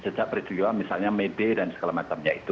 sejak peristiwa misalnya mede dan segala macamnya itu